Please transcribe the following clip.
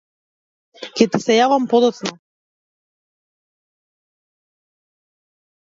Ќе ти се јавам подоцна.